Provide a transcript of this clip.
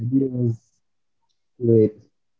hari itu aku terlambat